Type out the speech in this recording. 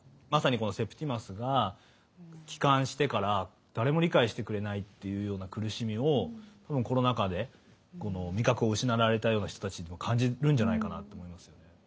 まさにセプティマスが帰還してから誰も理解してくれないっていうような苦しみをコロナ禍でこの味覚を失われた人たちも感じるんじゃないかなと思うんですよね。